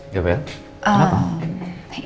ya bella kenapa